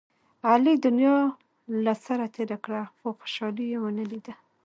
علي دنیا له سره تېره کړه، خو خوشحالي یې و نه لیدله.